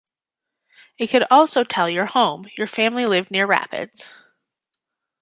It could also tell your home: your family lived near rapids.